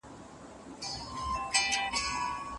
بریالي خلګ د پرمختګ لپاره خطرونه په ځان مني.